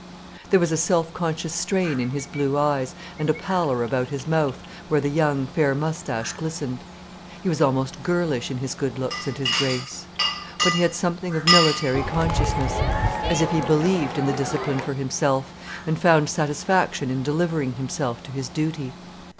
There was a self conscious strain in his blue eyes, and a pallor about his mouth, where the young, fair moustache glistened. He was almost girlish in his good looks and his grace. But he had something of military consciousness, as if he believed in the discipline for himself, and found satisfaction in delivering himself to his duty.